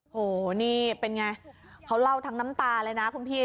โหนี่เป็นไงเขาเล่าทั้งน้ำตาเลยนะคุณพี่